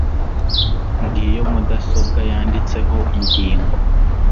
Ngiyo mudasobwa yanditseho ingingo